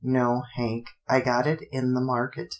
" No, Hank, I got it in the market.